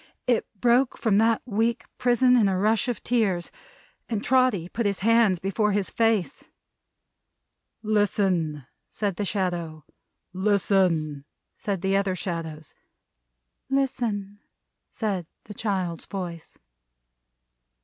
It broke from that weak prison in a rush of tears; and Trotty put his hands before his face. "Listen!" said the Shadow. "Listen!" said the other Shadows. "Listen!" said the child's voice.